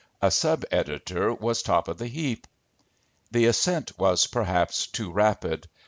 A sub editor was top of the heap. The ascent was perhaps too rapid.